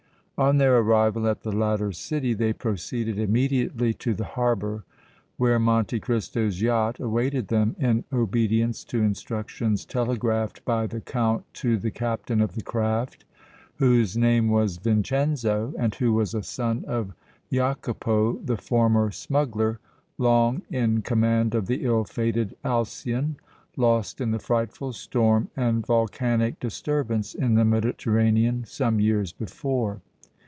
On their arrival at the latter city they proceeded immediately to the harbor, where Monte Cristo's yacht awaited them in obedience to instructions telegraphed by the Count to the Captain of the craft, whose name was Vincenzo, and who was a son of Jacopo, the former smuggler, long in command of the ill fated Alcyon, lost in the frightful storm and volcanic disturbance in the Mediterranean some years before.